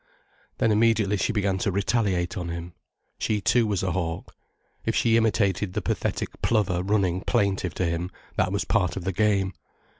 Then immediately she began to retaliate on him. She too was a hawk. If she imitated the pathetic plover running plaintive to him, that was part of the game.